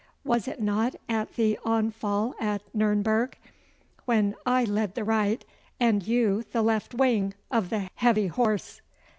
Was it not at the onfall at Nurnberg, when I led the right and you the left wing of the heavy horse?